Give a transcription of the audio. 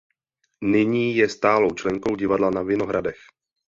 Nyní je stálou členkou Divadla na Vinohradech.